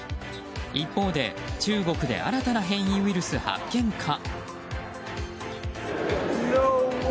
一方で中国で新たな変異ウイルス発見か。